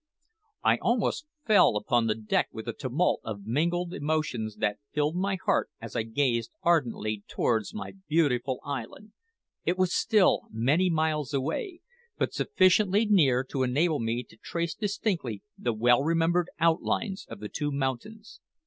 I almost fell upon the deck with the tumult of mingled emotions that filled my heart as I gazed ardently towards my beautiful island. It was still many miles away, but sufficiently near to enable me to trace distinctly the well remembered outlines of the two mountains.